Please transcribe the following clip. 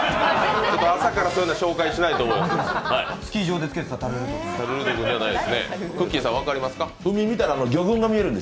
朝からそういうの紹介しないと思うんで。